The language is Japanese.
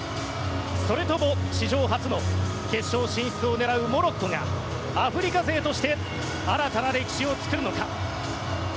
それとも史上初の決勝進出を狙うモロッコがアフリカ勢として新たな歴史を作るのか。